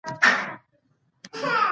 ټپي ته باید یو ښه پیغام ورکړو.